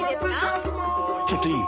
ちょっといい？